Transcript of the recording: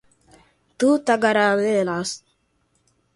Tú tagarelarás